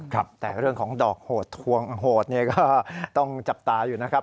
ครับแต่เรื่องของดอกโหดทวงโหดเนี่ยก็ต้องจับตาอยู่นะครับ